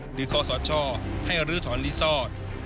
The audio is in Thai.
หรือข้อสอดช่อให้รื้อถอนรีสอร์ต